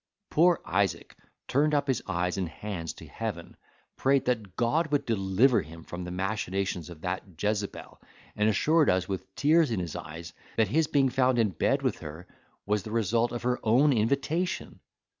Poor Isaac turned up his eyes and hands to heaven, prayed that God would deliver him from the machinations of that Jezebel; and assured us, with tears in his eyes, that his being found in bed with her was the result of her own invitation.